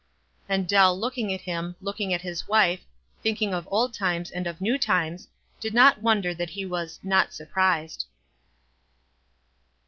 And Dell, looking at him, looking at his wife —thinking of old times and of new times — did not wondei that he was " not surprised."